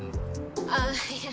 あぁいや。